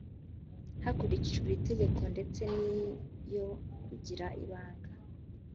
hakurikijwe iri tegeko ndetse n iyo kugira ibanga